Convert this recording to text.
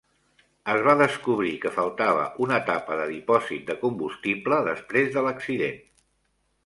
Es va descobrir que faltava una tapa de dipòsit de combustible després de l'accident.